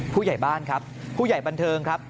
ผู้ใหญ่บ้านครับผู้ใหญ่บันเทิงครับ